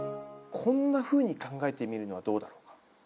こんなふうに考えてみるのはどうだろう。